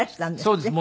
そうです。